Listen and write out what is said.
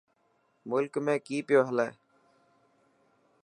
ملڪ ۾ ڪئي پيو هلي